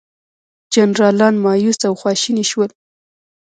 جنرالان مأیوس او خواشیني شول.